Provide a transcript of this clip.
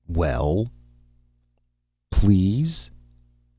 WELL "Please?"